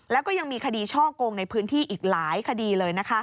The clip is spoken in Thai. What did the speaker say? แล้วก็ยังมีคดีช่อกงในพื้นที่อีกหลายคดีเลย